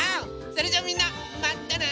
それじゃあみんなまたね！